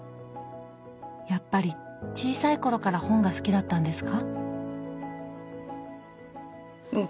やっぱり小さい頃から本が好きだったんですか？